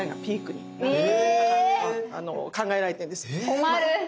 困る。